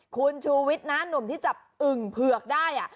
คุณชูวิทย์นะหนุ่มที่จับอึ่งเผือกได้